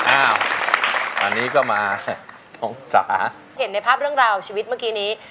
อันนี้ก็มาองศาเห็นในภาพเรื่องราวชีวิตเมื่อกี้นี้